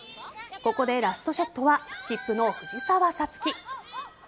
ここでラストショットはスキップの藤澤五月。